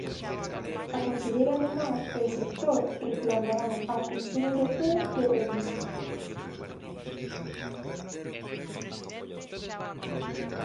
A conselleira do Mar e o sector reclamarán á comisión europea que os revise.